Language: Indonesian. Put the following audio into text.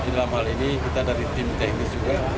dalam hal ini kita dari tim teknis juga